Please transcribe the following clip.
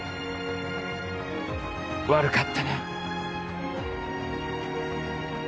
悪かったな。